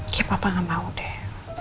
ya papa gak mau deh